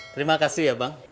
terima kasih ya bang